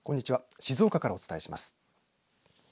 静岡からお伝えします。